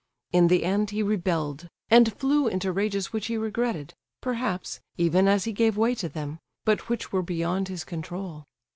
In the end he rebelled, and flew into rages which he regretted, perhaps, even as he gave way to them, but which were beyond his control.